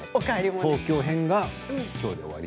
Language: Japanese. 東京編がきょうで終わり。